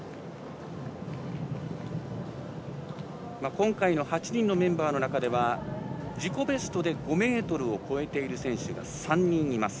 今回の８人のメンバーの中では自己ベストで５ｍを超えている選手が３人います。